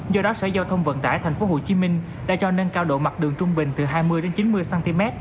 do đó sở giao thông vận tải tp hcm đã cho nâng cao độ mặt đường trung bình từ hai mươi chín mươi cm